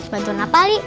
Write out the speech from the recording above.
bantuan apa ali